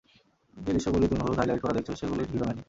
যে দৃশ্যগুলি তুমি হলুদ হাইলাইট করা দেখছো, সেগুলির হিরো ম্যানি।